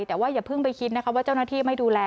แต่ว่าอย่าเพิ่งไปคิดนะคะว่าเจ้าหน้าที่ไม่ดูแล